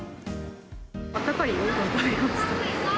あったかいおうどんを食べました。